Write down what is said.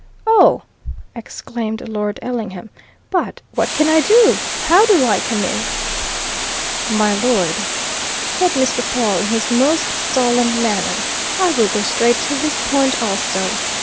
"Oh!" exclaimed Lord Ellingham. "But what can I do! How do I come in?" "My lord," said Mr. Pawle in his most solemn manner, "I will go straight to this point also.